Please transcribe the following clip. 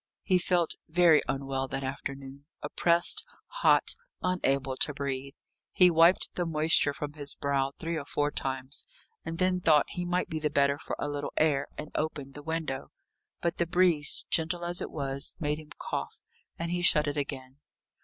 He felt very unwell that afternoon oppressed, hot, unable to breathe. He wiped the moisture from his brow three or four times, and then thought he might be the better for a little air, and opened the window. But the breeze, gentle as it was, made him cough, and he shut it again.